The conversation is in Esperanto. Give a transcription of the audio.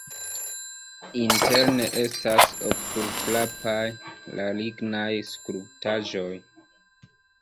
Interne estas okulfrapaj la lignaj skulptaĵoj.